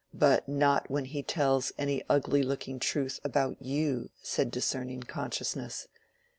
"But not when he tells any ugly looking truth about you," said discerning consciousness.